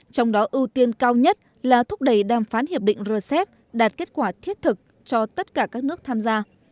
trong đó ưu tiên cao nhất là thúc đẩy đàm phán hiệp định rcep đạt kết quả thiết thực cho tất cả các nước tham gia